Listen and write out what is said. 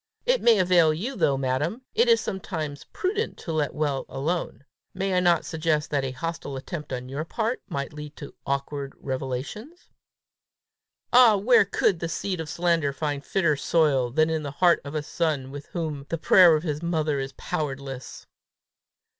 "It may avail you though, madam! It is sometimes prudent to let well alone. May I not suggest that a hostile attempt on your part, might lead to awkward revelations?" "Ah, where could the seed of slander find fitter soil than the heart of a son with whom the prayer of his mother is powerless!"